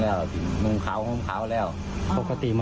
เออเข้าวาแล้วตกใจ